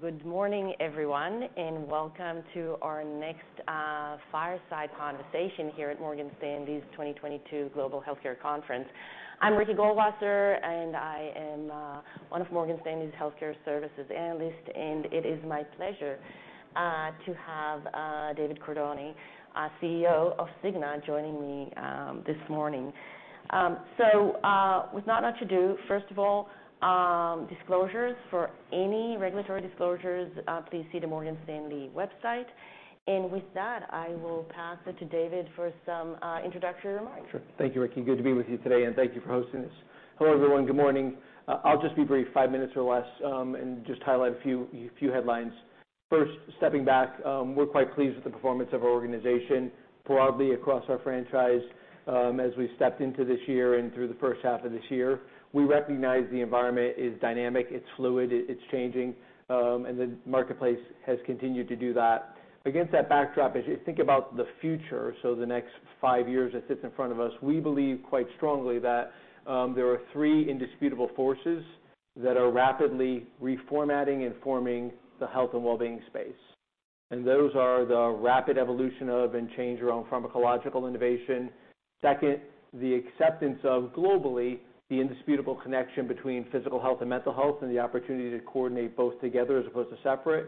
Good morning, everyone, and welcome to our next fireside conversation here at Morgan Stanley's 2022 Global Healthcare Conference. I'm Ricky Goldwasser, and I am one of Morgan Stanley's Healthcare Services Analysts. It is my pleasure to have David Cordani, CEO of Cigna, joining me this morning. For any regulatory disclosures, please see the Morgan Stanley website. With that, I will pass it to David for some introductory remarks. Thank you, Ricky. Good to be with you today, and thank you for hosting this. Hello, everyone. Good morning. I'll just be brief, five minutes or less, and just highlight a few headlines. First, stepping back, we're quite pleased with the performance of our organization broadly across our franchise as we stepped into this year and through the first half of this year. We recognize the environment is dynamic, it's fluid, it's changing, and the marketplace has continued to do that. Against that backdrop, as you think about the future, the next five years that sit in front of us, we believe quite strongly that there are three indisputable forces that are rapidly reformatting and forming the health and well-being space. Those are the rapid evolution of and change around pharmacological innovation. Second, the acceptance of globally the indisputable connection between physical health and mental health and the opportunity to coordinate both together as opposed to separate.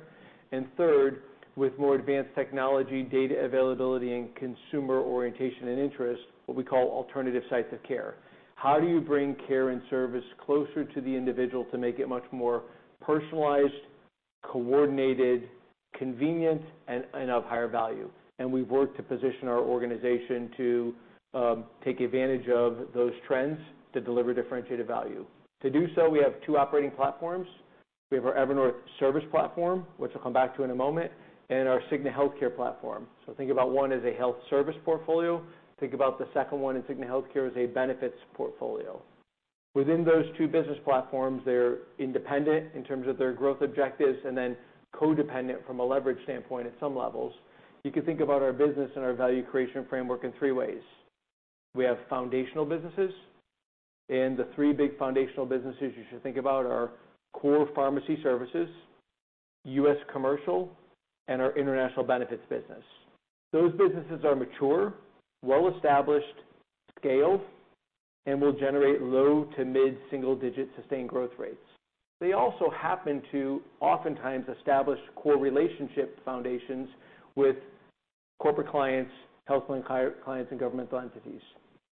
Third, with more advanced technology, data availability, and consumer orientation and interest, what we call alternative sites of care. How do you bring care and service closer to the individual to make it much more personalized, coordinated, convenient, and of higher value? We've worked to position our organization to take advantage of those trends to deliver differentiated value. To do so, we have two operating platforms. We have our Evernorth Service Platform, which I'll come back to in a moment, and our Cigna Healthcare Platform. Think about one as a health service portfolio. Think about the second one in Healthcare as a benefits portfolio. Within those two business platforms, they're independent in terms of their growth objectives and then codependent from a leverage standpoint at some levels. You can think about our business and our value creation framework in three ways. We have foundational businesses, and the three big foundational businesses you should think about are core pharmacy services, U.S. commercial, and our international benefits business. Those businesses are mature, well-established, scaled, and will generate low to mid-single-digit sustained growth rates. They also happen to oftentimes establish core relationship foundations with corporate clients, health plan clients, and governmental entities.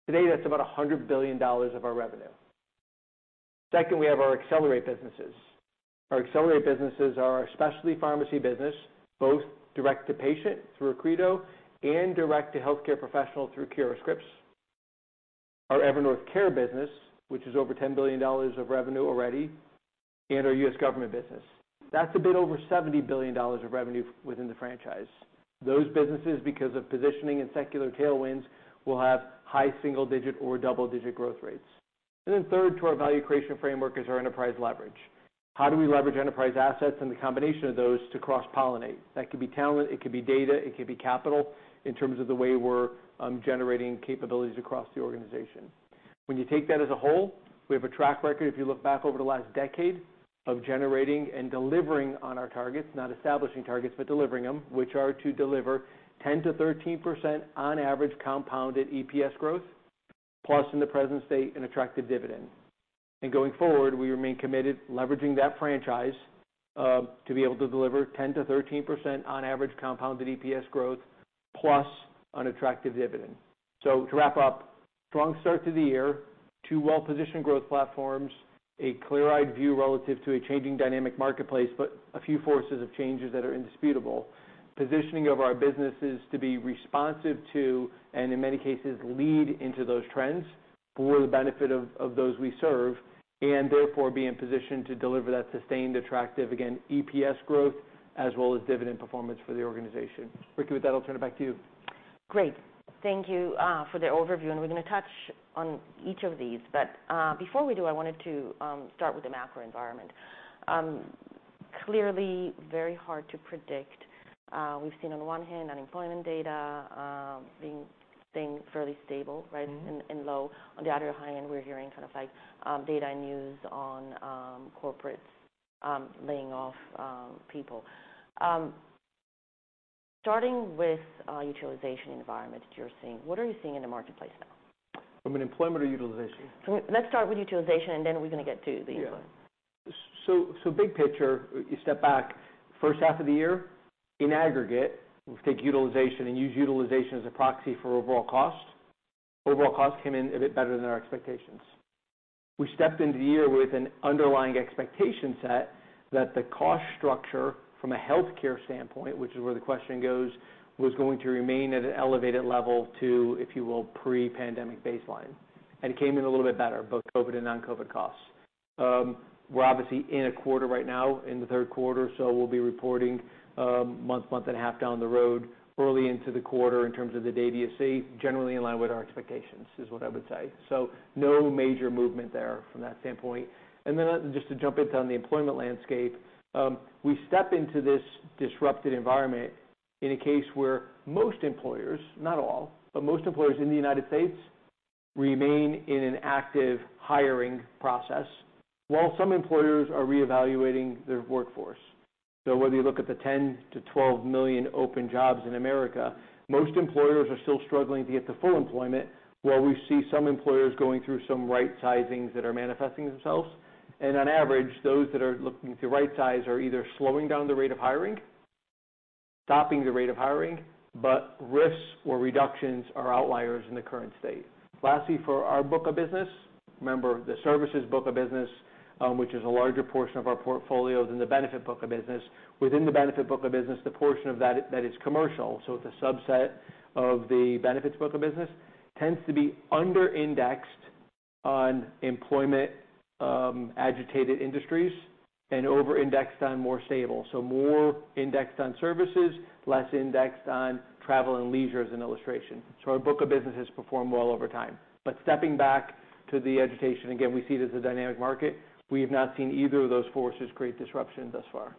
Today, that's about $100 billion of our revenue. Second, we have our accelerate businesses. Our accelerate businesses are our specialty pharmacy business, both direct to patient through Accredo and direct to healthcare professional through CuraScripts. Our Evernorth Care business, which is over $10 billion of revenue already, and our U.S. government business. That's a bit over $70 billion of revenue within the franchise. Those businesses, because of positioning and secular tailwinds, will have high single-digit or double-digit growth rates. Third to our value creation framework is our enterprise leverage. How do we leverage enterprise assets and the combination of those to cross-pollinate? That could be talent, it could be data, it could be capital in terms of the way we're generating capabilities across the organization. When you take that as a whole, we have a track record, if you look back over the last decade, of generating and delivering on our targets, not establishing targets, but delivering them, which are to deliver 10%-13% on average compounded EPS growth, plus in the present state, an attractive dividend. Going forward, we remain committed leveraging that franchise to be able to deliver 10%-13% on average compounded EPS growth, plus an attractive dividend. To wrap up, strong start to the year, two well-positioned growth platforms, a clear-eyed view relative to a changing dynamic marketplace, but a few forces of changes that are indisputable. Positioning of our businesses to be responsive to, and in many cases, lead into those trends for the benefit of those we serve, and therefore be in position to deliver that sustained, attractive, again, EPS growth as well as dividend performance for the organization. Ricky, with that, I'll turn it back to you. Great. Thank you for the overview, and we're going to touch on each of these. Before we do, I wanted to start with the macro environment. Clearly, very hard to predict. We've seen on the one hand unemployment data being fairly stable, right, and low. On the other hand, we're hearing kind of like data news on corporates laying off people. Starting with utilization environment that you're seeing, what are you seeing in the marketplace now? From an employment or utilization? Let's start with utilization, and then we're going to get to the employment. Big picture, you step back, first half of the year, in aggregate, we'll take utilization and use utilization as a proxy for overall cost. Overall cost came in a bit better than our expectations. We stepped into the year with an underlying expectation set that the cost structure from a healthcare standpoint, which is where the question goes, was going to remain at an elevated level to, if you will, pre-pandemic baseline. It came in a little bit better, both COVID and non-COVID costs. We're obviously in a quarter right now, in the third quarter, so we'll be reporting month, month and a half down the road, early into the quarter in terms of the data you see, generally in line with our expectations, is what I would say. No major movement there from that standpoint. To jump into the employment landscape, we step into this disrupted environment in a case where most employers, not all, but most employers in the U.S. remain in an active hiring process while some employers are reevaluating their workforce. Whether you look at the 10 million-12 million open jobs in America, most employers are still struggling to get to full employment, while we see some employers going through some right sizings that are manifesting themselves. On average, those that are looking to right size are either slowing down the rate of hiring, stopping the rate of hiring, but risks or reductions are outliers in the current state. Lastly, for our book of business, remember the services book of business, which is a larger portion of our portfolio than the benefit book of business. Within the benefit book of business, the portion of that that is commercial, so it's a subset of the benefits book of business, tends to be under-indexed on employment-agitated industries and over-indexed on more stable. More indexed on services, less indexed on travel and leisure as an illustration. Our book of business has performed well over time. Stepping back to the agitation, again, we see it as a dynamic market. We have not seen either of those forces create disruption thus far.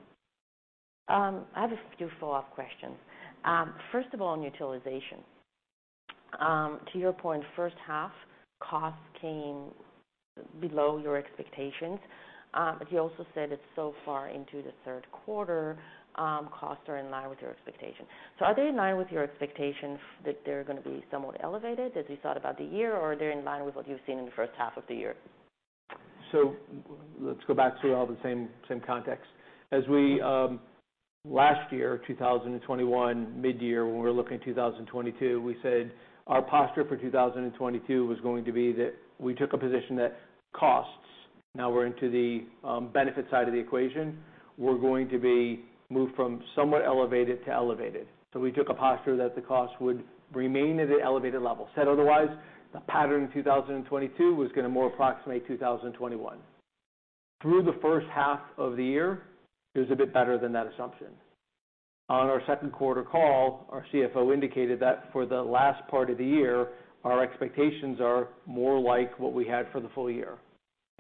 I have a few follow-up questions. First of all, on utilization, to your point, first half, costs came below your expectations. You also said it's so far into the third quarter, costs are in line with your expectation. Are they in line with your expectation that they're going to be somewhat elevated as we thought about the year, or are they in line with what you've seen in the first half of the year? Let's go back through all the same context. As we last year, 2021, mid-year, when we were looking at 2022, we said our posture for 2022 was going to be that we took a position that costs, now we're into the benefit side of the equation, were going to be moved from somewhat elevated to elevated. We took a posture that the costs would remain at an elevated level. Said otherwise, the pattern in 2022 was going to more approximate 2021. Through the first half of the year, it was a bit better than that assumption. On our second quarter call, our CFO indicated that for the last part of the year, our expectations are more like what we had for the full year.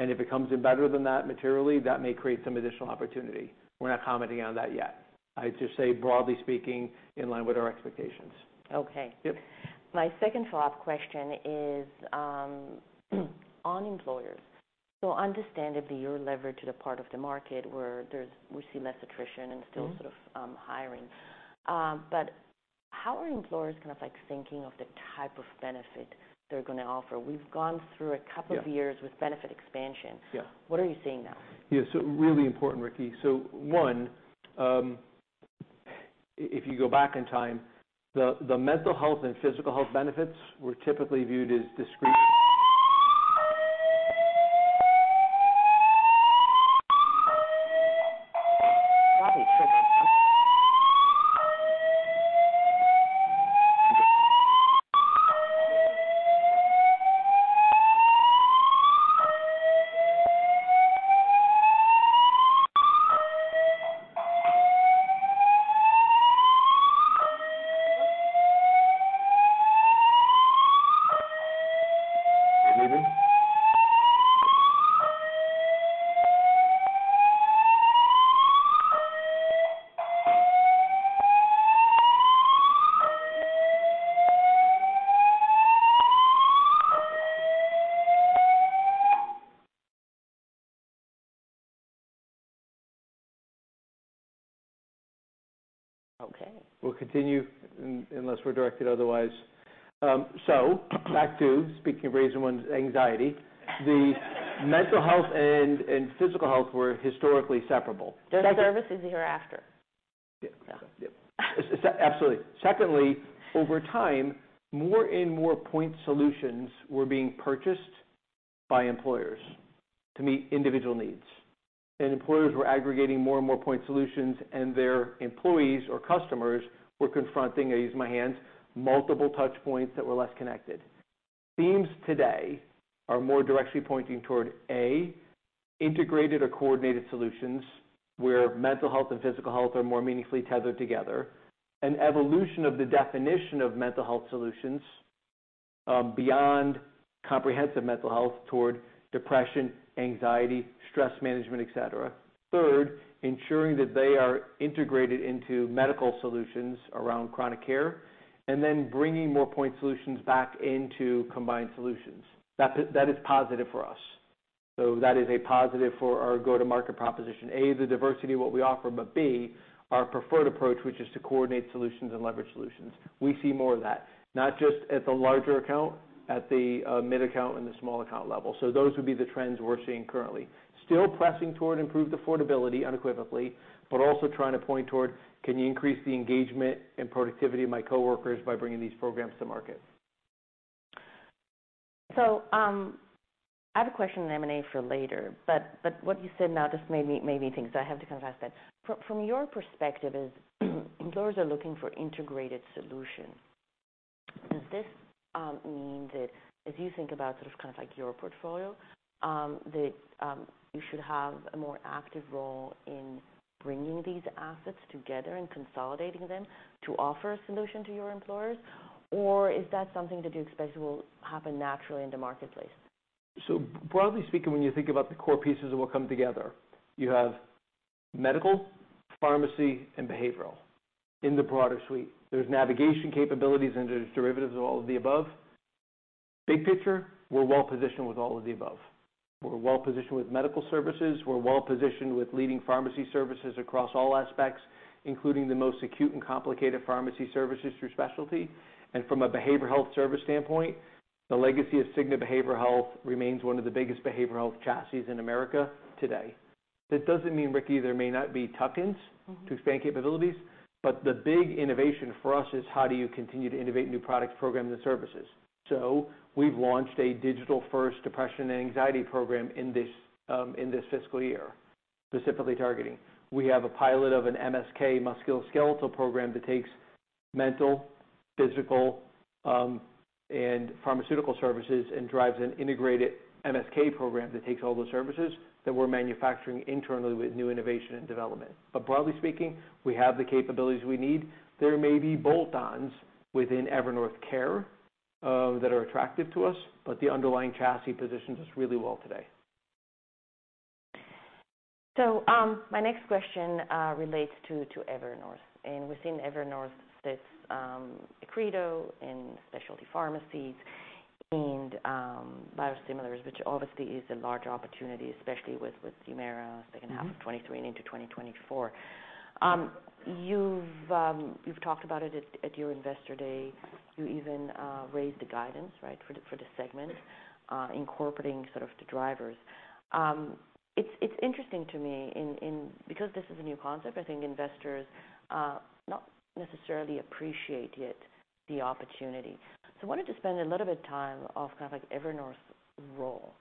If it comes in better than that materially, that may create some additional opportunity. We're not commenting on that yet. I just say, broadly speaking, in line with our expectations. OK. Yep. My second follow-up question is on employers. Understandably, you're leveraged to the part of the market where we see less attrition and still sort of hiring. How are employers kind of like thinking of the type of benefit they're going to offer? We've gone through a couple of years with benefit expansion. Yeah. What are you seeing now? Yeah, so really important, Ricky. One, if you go back in time, the mental health and physical health benefits were typically viewed as discrete. OK. We'll continue unless we're directed otherwise. Back to speaking of reason one's anxiety, the mental health and physical health were historically separable. Just services hereafter. Yeah, absolutely. Secondly, over time, more and more point solutions were being purchased by employers to meet individual needs. Employers were aggregating more and more point solutions, and their employees or customers were confronting, I use my hands, multiple touch points that were less connected. Themes today are more directly pointing toward, A, integrated or coordinated solutions where mental health and physical health are more meaningfully tethered together, an evolution of the definition of mental health solutions beyond comprehensive mental health toward depression, anxiety, stress management, et cetera. Third, ensuring that they are integrated into medical solutions around chronic care, and then bringing more point solutions back into combined solutions. That is positive for us. That is a positive for our go-to-market proposition. A, the diversity of what we offer, but B, our preferred approach, which is to coordinate solutions and leverage solutions. We see more of that, not just at the larger account, at the mid-account and the small account level. Those would be the trends we're seeing currently. Still pressing toward improved affordability unequivocally, but also trying to point toward, can you increase the engagement and productivity of my coworkers by bringing these programs to market? I have a question in M&A for later, but what you said now just made me think. I have to kind of ask that. From your perspective, as employers are looking for integrated solutions, does this mean that as you think about sort of kind of like your portfolio, that you should have a more active role in bringing these assets together and consolidating them to offer a solution to your employers? Is that something that you expect will happen naturally in the marketplace? Broadly speaking, when you think about the core pieces of what come together, you have medical, pharmacy, and behavioral in the broader suite. There are navigation capabilities, and there are derivatives of all of the above. Big picture, we're well positioned with all of the above. We're well positioned with medical services. We're well positioned with leading pharmacy services across all aspects, including the most acute and complicated pharmacy services through specialty. From a behavioral health service standpoint, the legacy of Cigna Behavioral Health remains one of the biggest behavioral health chassis in America today. That doesn't mean, Ricky, there may not be tuck-ins to expand capabilities. The big innovation for us is how do you continue to innovate new products, programs, and services. We've launched a digital-first depression and anxiety program in this fiscal year, specifically targeting. We have a pilot of an MSK musculoskeletal program that takes mental, physical, and pharmaceutical services and drives an integrated MSK program that takes all those services that we're manufacturing internally with new innovation and development. Broadly speaking, we have the capabilities we need. There may be bolt-ons within Evernorth Care that are attractive to us, but the underlying chassis positions us really well today. My next question relates to Evernorth. Within Evernorth sits Accredo and specialty pharmacies and biosimilars, which obviously is a larger opportunity, especially with HUMIRA, second half of 2023 and into 2024. You've talked about it at your investor day. You even raised the guidance for the segment, incorporating sort of the drivers. It's interesting to me because this is a new concept. I think investors not necessarily appreciate yet the opportunity. I wanted to spend a little bit of time off kind of like Evernorth's role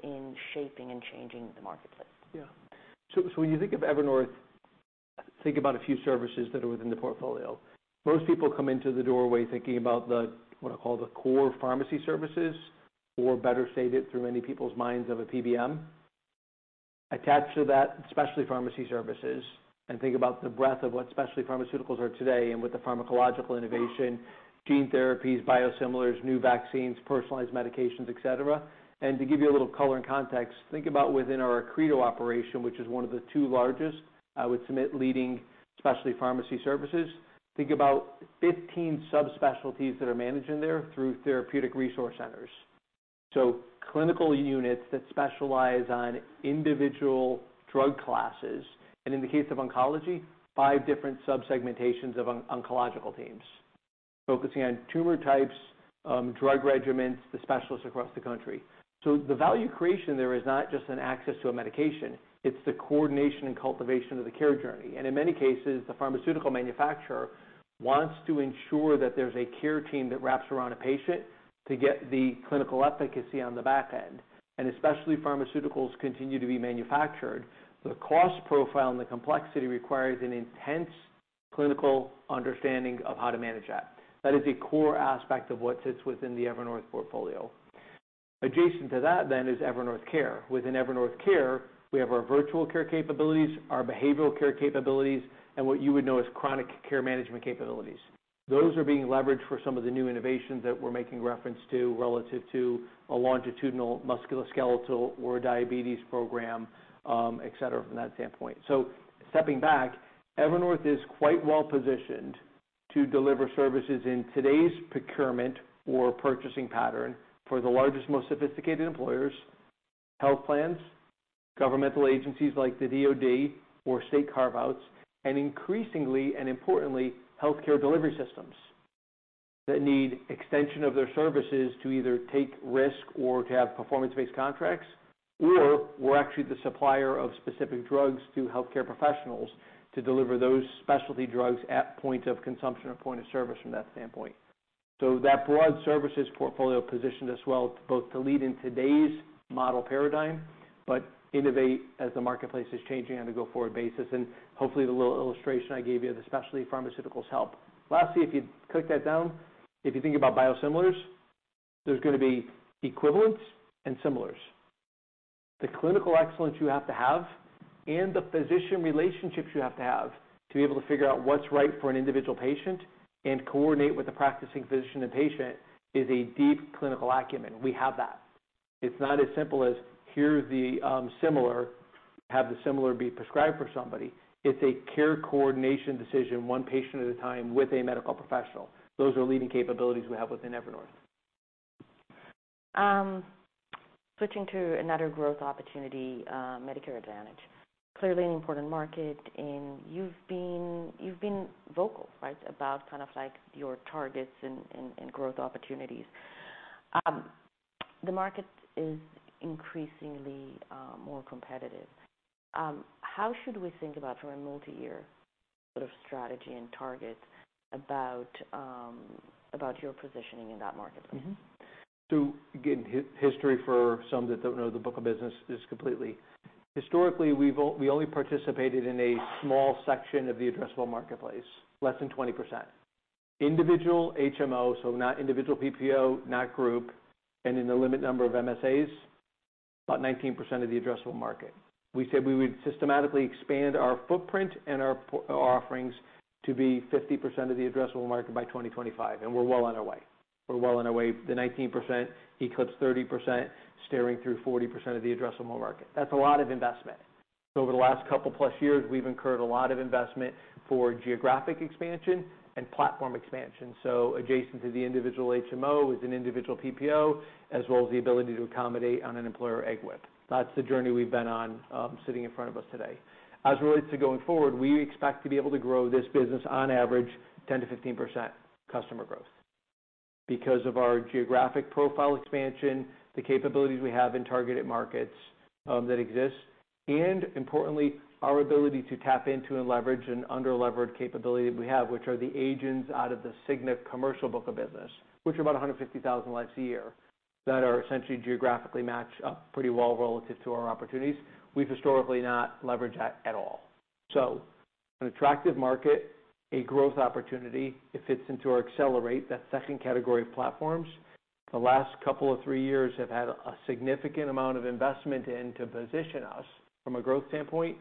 in shaping and changing the marketplace. Yeah. When you think of Evernorth, think about a few services that are within the portfolio. Most people come into the doorway thinking about what I call the core pharmacy services, or better stated through many people's minds as a Pharmacy Benefit Management, attached to that, specialty pharmacy services. Think about the breadth of what specialty pharmaceuticals are today and with the pharmacological innovation, gene therapies, biosimilars, new vaccines, personalized medications, et cetera. To give you a little color and context, think about within our Accredo operation, which is one of the two largest, I would submit, leading specialty pharmacy services. Think about 15 subspecialties that are managing there through therapeutic resource centers, clinical units that specialize on individual drug classes. In the case of oncology, five different subsegmentations of oncological teams, focusing on tumor types, drug regimens, the specialists across the country. The value creation there is not just in access to a medication. It's the coordination and cultivation of the care journey. In many cases, the pharmaceutical manufacturer wants to ensure that there's a care team that wraps around a patient to get the clinical efficacy on the back end. As specialty pharmaceuticals continue to be manufactured, the cost profile and the complexity require an intense clinical understanding of how to manage that. That is a core aspect of what sits within the Evernorth portfolio. Adjacent to that is Evernorth Care. Within Evernorth Care, we have our virtual care capabilities, our behavioral care capabilities, and what you would know as chronic care management capabilities. Those are being leveraged for some of the new innovations that we're making reference to relative to a longitudinal musculoskeletal or diabetes program, et cetera, from that standpoint. Stepping back, Evernorth is quite well positioned to deliver services in today's procurement or purchasing pattern for the largest, most sophisticated employers, health plans, governmental agencies like the DOD, or state carve-outs, and increasingly and importantly, healthcare delivery systems that need extension of their services to either take risk or to have performance-based contracts, or we're actually the supplier of specific drugs to healthcare professionals to deliver those specialty drugs at point of consumption, at point of service from that standpoint. That broad services portfolio positioned us well both to lead in today's model paradigm, but innovate as the marketplace is changing on a go-forward basis. Hopefully, the little illustration I gave you of the specialty pharmaceuticals helps. Lastly, if you click that down, if you think about biosimilars, there's going to be equivalents and similars. The clinical excellence you have to have and the physician relationships you have to have to be able to figure out what's right for an individual patient and coordinate with the practicing physician and patient is a deep clinical acumen. We have that. It's not as simple as here's the similar, have the similar be prescribed for somebody. It's a care coordination decision one patient at a time with a medical professional. Those are leading capabilities we have within Evernorth. Switching to another growth opportunity, Medicare Advantage. Clearly an important market, and you've been vocal about your targets and growth opportunities. The market is increasingly more competitive. How should we think about, from a multi-year sort of strategy and target, your positioning in that marketplace? Again, history for some that don't know, the book of business is completely. Historically, we only participated in a small section of the addressable marketplace, less than 20%. Individual HMO, so not individual PPO, not group, and in the limited number of MSAs, about 19% of the addressable market. We said we would systematically expand our footprint and our offerings to be 50% of the addressable market by 2025. We're well on our way. The 19% eclipsed 30%, staring through 40% of the addressable market. That's a lot of investment. Over the last couple plus years, we've incurred a lot of investment for geographic expansion and platform expansion. Adjacent to the individual HMO is an individual PPO, as well as the ability to accommodate on an employer egg whip. That's the journey we've been on sitting in front of us today. As it relates to going forward, we expect to be able to grow this business on average 10%-15% customer growth because of our geographic profile expansion, the capabilities we have in targeted markets that exist, and importantly, our ability to tap into and leverage an under-leveraged capability that we have, which are the agents out of the Cigna commercial book of business, which are about 150,000 likes a year that are essentially geographically matched up pretty well relative to our opportunities. We've historically not leveraged that at all. An attractive market, a growth opportunity, it fits into our accelerate, that second category of platforms. The last couple of three years have had a significant amount of investment in to position us from a growth standpoint.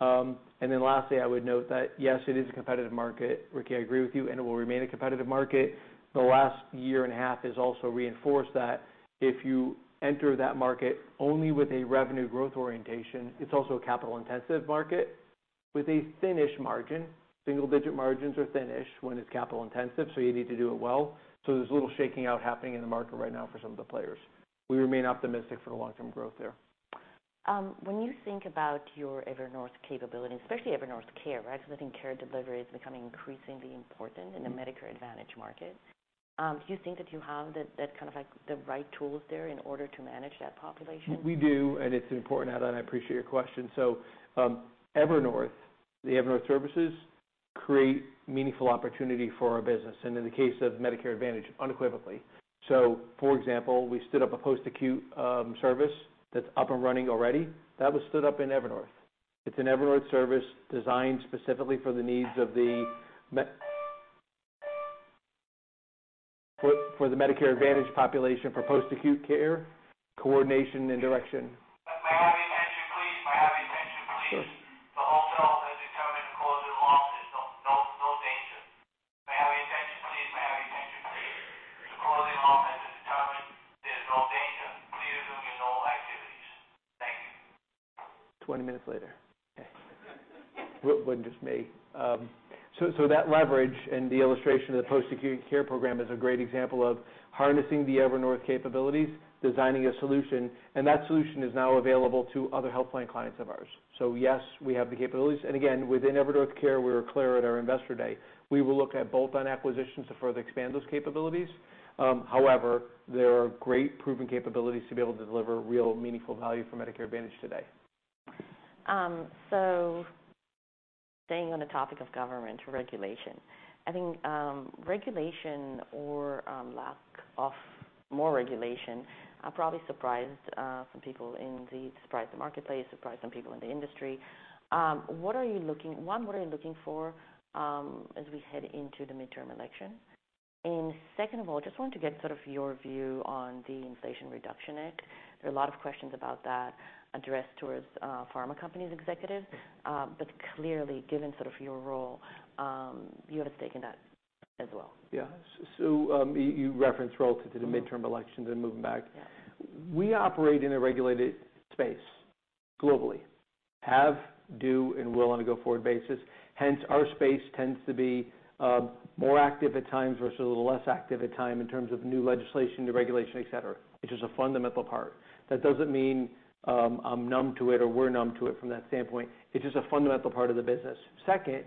Lastly, I would note that yes, it is a competitive market, Ricky, I agree with you, and it will remain a competitive market. The last year and a half has also reinforced that. If you enter that market only with a revenue growth orientation, it's also a capital-intensive market with a thin-ish margin. Single-digit margins are thin-ish when it's capital-intensive, so you need to do it well. There's a little shaking out happening in the market right now for some of the players. We remain optimistic for the long-term growth there. When you think about your Evernorth capability, especially Evernorth Care, because I think care delivery is becoming increasingly important in the Medicare Advantage market, do you think that you have the kind of like the right tools there in order to manage that population? We do, and it's important to add on, I appreciate your question. Evernorth, the Evernorth services create meaningful opportunity for our business, and in the case of Medicare Advantage, unequivocally. For example, we stood up a post-acute service that's up and running already. That was stood up in Evernorth. It's an Evernorth service designed specifically for the needs of the Medicare Advantage population for post-acute care, coordination, and direction. May I have your attention, please? May I have your attention, please? The hotel is determined to close in a little office. There's no danger. May I have your attention, please? May I have your attention, please? Closing in a moment. Determined there's no danger. Please resume your normal activities. Thank you. 20 minutes later. OK. Wouldn't just me. That leverage and the illustration of the post-acute care program is a great example of harnessing the Evernorth capabilities, designing a solution, and that solution is now available to other health plan clients of ours. Yes, we have the capabilities. Again, within Evernorth Care, we were clear at our investor day. We will look at bolt-on acquisitions to further expand those capabilities. However, there are great proven capabilities to be able to deliver real meaningful value for Medicare Advantage today. Staying on the topic of government regulation, I think regulation or lack of more regulation are probably surprising some people in the marketplace, surprising people in the industry. What are you looking for as we head into the midterm elections? Second of all, I just wanted to get sort of your view on the Inflation Reduction Act. There are a lot of questions about that addressed towards pharma companies' executives. Clearly, given sort of your role, you would have taken that as well. Yeah, you referenced relative to the midterm elections and moving back. Yeah. We operate in a regulated space globally, have, do, and will on a go-forward basis. Hence, our space tends to be more active at times versus a little less active at times in terms of new legislation, new regulation, et cetera. It's just a fundamental part. That doesn't mean I'm numb to it or we're numb to it from that standpoint. It's just a fundamental part of the business. Second,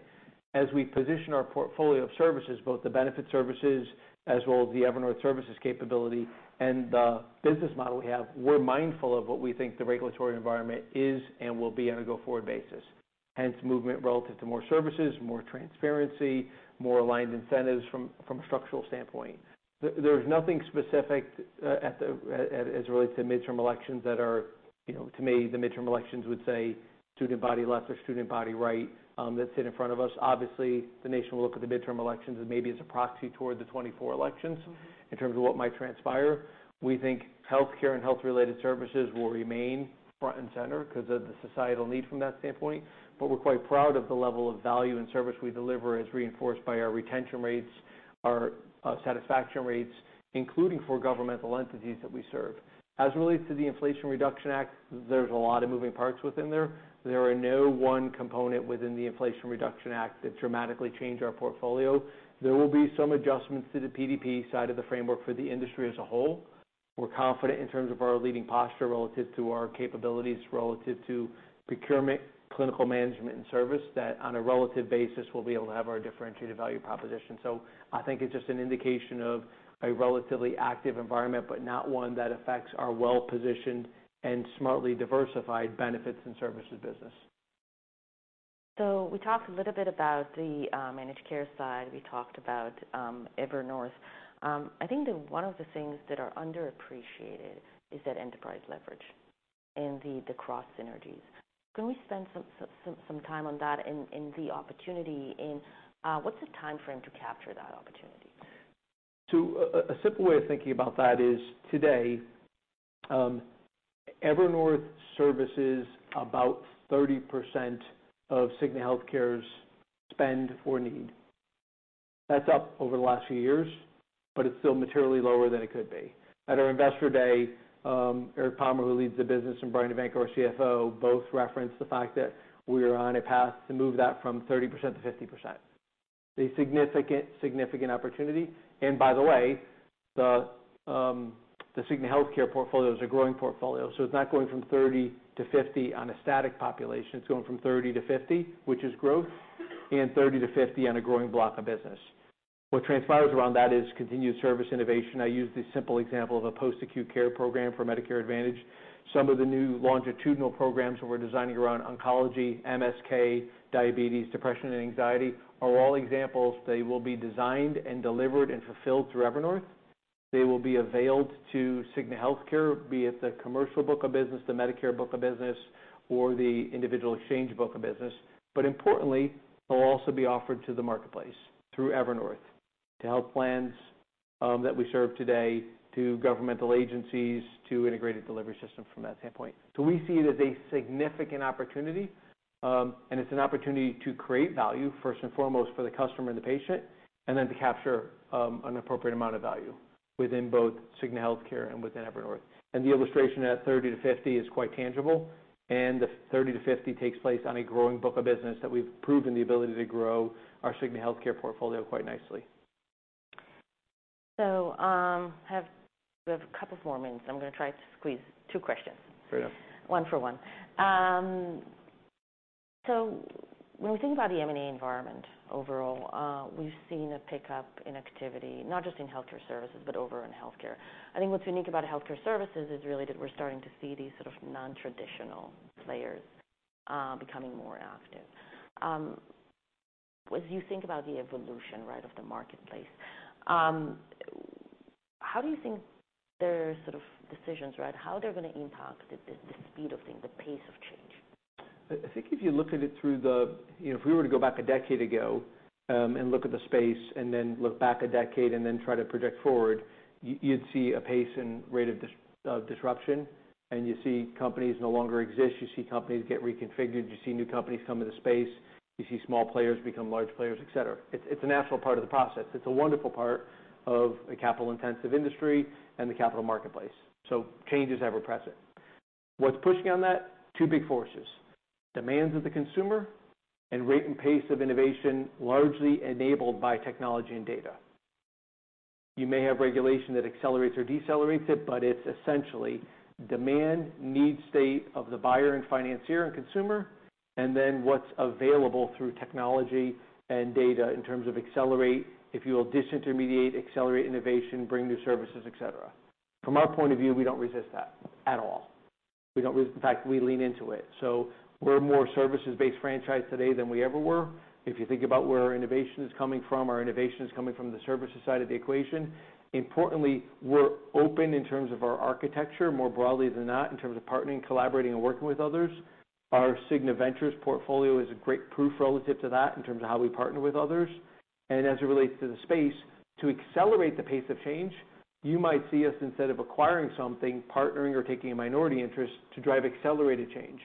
as we position our portfolio of services, both the benefit services as well as the Evernorth services capability and the business model we have, we're mindful of what we think the regulatory environment is and will be on a go-forward basis. Hence, movement relative to more services, more transparency, more aligned incentives from a structural standpoint. There's nothing specific as it relates to midterm elections that are, you know, to me, the midterm elections would say student body left or student body right that sit in front of us. Obviously, the nation will look at the midterm elections and maybe as a proxy toward the 2024 elections in terms of what might transpire. We think health care and health-related services will remain front and center because of the societal need from that standpoint. We're quite proud of the level of value and service we deliver as reinforced by our retention rates, our satisfaction rates, including for governmental entities that we serve. As it relates to the Inflation Reduction Act, there's a lot of moving parts within there. There are no one component within the Inflation Reduction Act that dramatically changed our portfolio. There will be some adjustments to the PDP side of the framework for the industry as a whole. We're confident in terms of our leading posture relative to our capabilities, relative to procurement, clinical management, and service that on a relative basis we'll be able to have our differentiated value proposition. I think it's just an indication of a relatively active environment, but not one that affects our well-positioned and smartly diversified benefits and services business. We talked a little bit about the managed care side. We talked about Evernorth. I think that one of the things that are underappreciated is that enterprise leverage and the cross-platform synergies. Can we spend some time on that and the opportunity? What's the time frame to capture that opportunity? A simple way of thinking about that is today, Evernorth services about 30% of Cigna Healthcare's spend or need. That's up over the last few years, but it's still materially lower than it could be. At our investor day, Eric Palmer, who leads the business, and Bryan Holgerson, our CFO, both referenced the fact that we are on a path to move that from 30%-50%. A significant, significant opportunity. By the way, the Cigna Healthcare portfolio is a growing portfolio. It's not going from 30%-50% on a static population. It's going from 30%-50%, which is growth, and 30%-50% on a growing block of business. What transpires around that is continued service innovation. I use the simple example of a post-acute care program for Medicare Advantage. Some of the new longitudinal programs that we're designing around oncology, MSK, diabetes, depression, and anxiety are all examples. They will be designed and delivered and fulfilled through Evernorth. They will be availed to Cigna Healthcare, be it the commercial book of business, the Medicare book of business, or the individual exchange book of business. Importantly, they'll also be offered to the marketplace through Evernorth to health plans that we serve today, to governmental agencies, to integrated delivery systems from that standpoint. We see it as a significant opportunity, and it's an opportunity to create value, first and foremost, for the customer and the patient, and then to capture an appropriate amount of value within both Cigna Healthcare and within Evernorth. The illustration at 30%-50% is quite tangible. The 30%-50% takes place on a growing book of business that we've proven the ability to grow our Cigna Healthcare portfolio quite nicely. I have a couple more minutes. I'm going to try to squeeze two questions. Fair enough. When we think about the M&A environment overall, we've seen a pickup in activity, not just in healthcare services, but over in healthcare. I think what's unique about healthcare services is really that we're starting to see these sort of non-traditional players becoming more active. As you think about the evolution of the marketplace, how do you think their sort of decisions, how they're going to impact the speed of things, the pace of change? I think if you look at it through the, you know, if we were to go back a decade ago and look at the space and then look back a decade and then try to project forward, you'd see a pace and rate of disruption. You see companies no longer exist. You see companies get reconfigured. You see new companies come into the space. You see small players become large players, et cetera. It's a natural part of the process. It's a wonderful part of a capital-intensive industry and the capital marketplace. Change is ever present. What's pushing on that? Two big forces: demands of the consumer and rate and pace of innovation, largely enabled by technology and data. You may have regulation that accelerates or decelerates it, but it's essentially demand, need state of the buyer and financier and consumer, and then what's available through technology and data in terms of accelerate, if you will, disintermediate, accelerate innovation, bring new services, et cetera. From our point of view, we don't resist that at all. We don't. In fact, we lean into it. We're a more services-based franchise today than we ever were. If you think about where our innovation is coming from, our innovation is coming from the services side of the equation. Importantly, we're open in terms of our architecture, more broadly than not, in terms of partnering, collaborating, and working with others. Our Cigna Ventures portfolio is a great proof relative to that in terms of how we partner with others. As it relates to the space, to accelerate the pace of change, you might see us instead of acquiring something, partnering or taking a minority interest to drive accelerated change.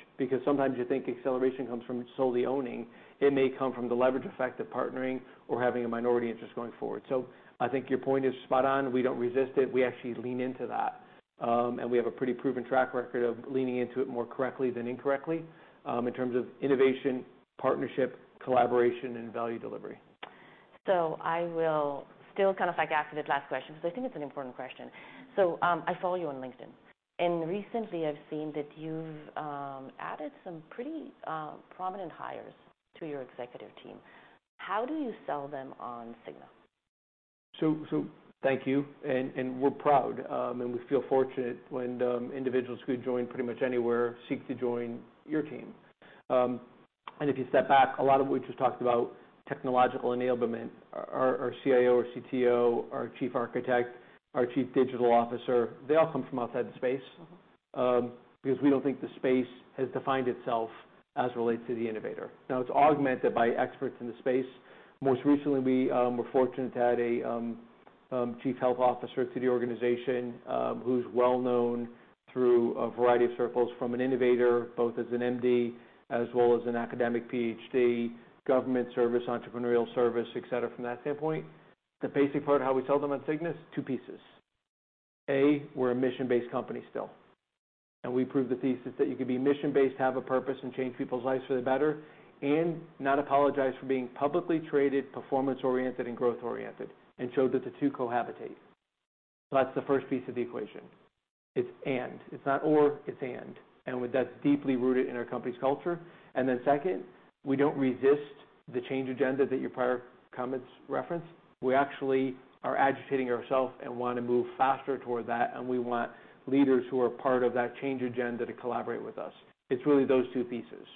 Sometimes you think acceleration comes from solely owning. It may come from the leverage effect of partnering or having a minority interest going forward. I think your point is spot on. We don't resist it. We actually lean into that. We have a pretty proven track record of leaning into it more correctly than incorrectly in terms of innovation, partnership, collaboration, and value delivery. I will still kind of like ask you that last question because I think it's an important question. I follow you on LinkedIn. Recently, I've seen that you've added some pretty prominent hires to your executive team. How do you sell them on Cigna? Thank you. We're proud. We feel fortunate when individuals who join pretty much anywhere seek to join your team. If you step back, a lot of what we just talked about, technological enablement, our CIO, our CTO, our Chief Architect, our Chief Digital Officer, they all come from outside the space because we don't think the space has defined itself as it relates to the innovator. Now it's augmented by experts in the space. Most recently, we were fortunate to add a Chief Health Officer to the organization who's well known through a variety of circles, from an innovator, both as an MD, as well as an academic PhD, government service, entrepreneurial service, et cetera, from that standpoint. The basic part of how we sell them on Cigna is two pieces. A, we're a mission-based company still. We proved the thesis that you could be mission-based, have a purpose, and change people's lives for the better, and not apologize for being publicly traded, performance-oriented, and growth-oriented, and showed that the two cohabitate. That's the first piece of the equation. It's and. It's not or, it's and. That's deeply rooted in our company's culture. Second, we don't resist the change agenda that your prior comments referenced. We actually are agitating ourselves and want to move faster toward that. We want leaders who are part of that change agenda to collaborate with us. It's really those two pieces.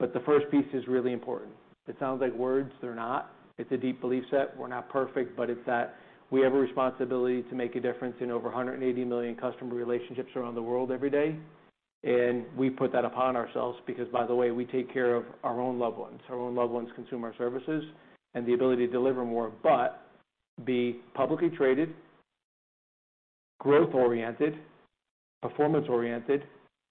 The first piece is really important. It sounds like words. They're not. It's a deep belief set. We're not perfect, but it's that we have a responsibility to make a difference in over 180 million customer relationships around the world every day. We put that upon ourselves because, by the way, we take care of our own loved ones. Our own loved ones consume our services and the ability to deliver more, but be publicly traded, growth-oriented, performance-oriented,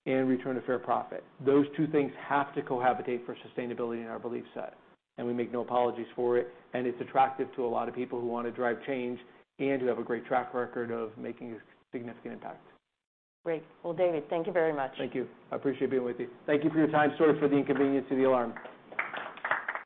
and return a fair profit. Those two things have to cohabitate for sustainability in our belief set. We make no apologies for it. It's attractive to a lot of people who want to drive change and who have a great track record of making a significant impact. Great. David, thank you very much. Thank you. I appreciate being with you. Thank you for your time, and for the inconvenience of the alarm.